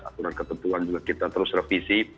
aturan ketentuan juga kita terus revisi